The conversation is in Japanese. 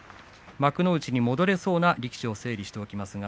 幕内に戻れそうな力士を整理しておきます。